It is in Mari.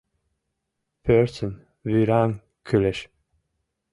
Порсын вӱраҥ кӱлеш